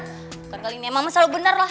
bukan kali ini emang selalu benar lah